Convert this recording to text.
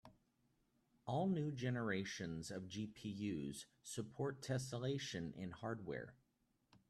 All new generations of GPUs support tesselation in hardware.